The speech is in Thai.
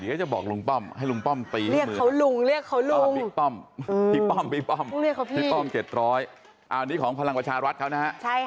เดี๋ยวจะบอกลุงป้อมให้ลุงป้อมตีให้มือ